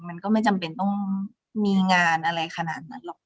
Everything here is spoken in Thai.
มันก็ไม่จำเป็นต้องมีงานอะไรขนาดนั้นหรอก